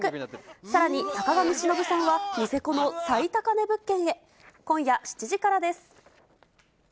さらに、坂上忍さんは、ニセコの最高値物件へ。